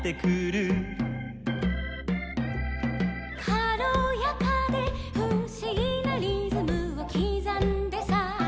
「かろやかでふしぎなリズムをきざんでさ」